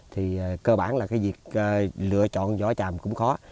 thì cơ bản là cái việc lựa chọn vỏ tràm cũng khó